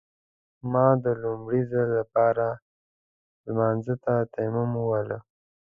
ما د لومړي ځل لپاره لمانځه ته تيمم وواهه.